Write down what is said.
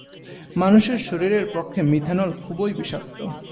মানুষের শরীরের পক্ষে মিথানল খুবই বিষাক্ত।